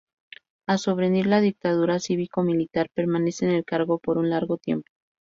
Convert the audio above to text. Al sobrevenir la dictadura cívico-militar, permanece en el cargo por un largo tiempo.